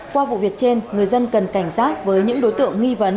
qua vụ việc trên người dân cần cảnh giác với những đối tượng nghi vấn